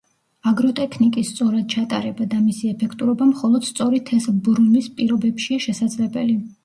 აგროტექნიკის სწორად ჩატარება და მისი ეფექტურობა მხოლოდ სწორი თესლბრუნვის პირობებშია შესაძლებელი.